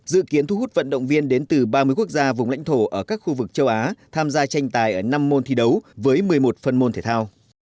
dự kiến thu hút vận động viên đến từ ba mươi quốc gia vùng lãnh thổ ở các khu vực châu á tham gia tranh tài ở năm môn thi đấu với một mươi một phân môn thể thao